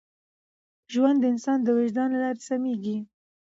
ژوند د انسان د وجدان له لارې سمېږي.